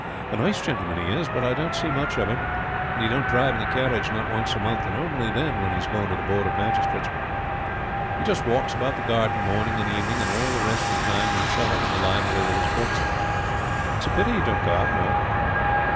A nice gentleman he is, but I don't see much of him; and he don't drive in the carriage not once a month, and only then when he is going to the board of magistrates. He just walks about the garden morning and evening, and all the rest of the time he is shut up in the library with his books. It's a pity he don't go out more."